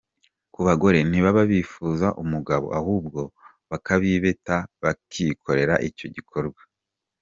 Ku bagore, ntibaba bakifuza umugabo ahubwo bakabibeta bakikorera icyo gikorwa.